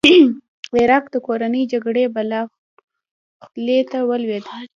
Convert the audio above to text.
عراق د کورنۍ جګړې بلا خولې ته ولوېد.